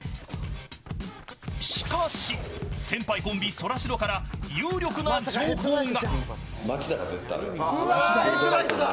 しかし先輩コンビ、ソラシドから有力な情報が。